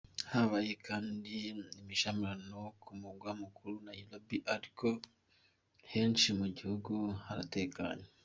Habaye kandi imishamirano ku mugwa mukuru Nairobi ariko henshi mu gihugu haratekanye.